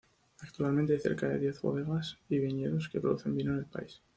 Actualmente, hay cerca de diez bodegas y viñedos que producen vino en el país.